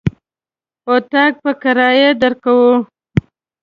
اطاق په کرايه درکوو.